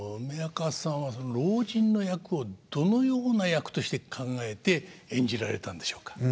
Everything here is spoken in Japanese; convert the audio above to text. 梅若さんは老人の役をどのような役として考えて演じられたんでしょうか？